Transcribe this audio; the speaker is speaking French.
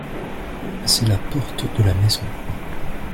c'est la porte de la maison.